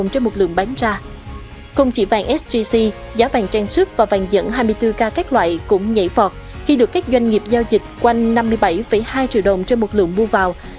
không chỉ vàng sgc giá vàng trang sức và vàng dẫn hai mươi bốn k các loại cũng nhảy vọt khi được các doanh nghiệp giao dịch quanh năm mươi bảy hai triệu đồng trên một lượng mua vào